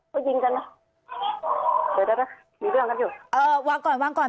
ก็ยิงกันเนอะเดี๋ยวจะไปมีเรื่องกันอยู่เออวางก่อนวางก่อน